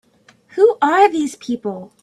Who are these people?